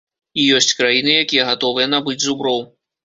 І ёсць краіны, якія гатовыя набыць зуброў.